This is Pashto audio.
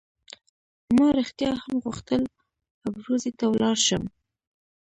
ما رښتیا هم غوښتل ابروزي ته ولاړ شم.